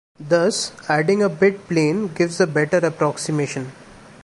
Thus, adding a bit plane gives a better approximation.